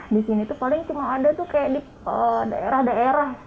di sini tuh paling cuma ada tuh kayak di daerah daerah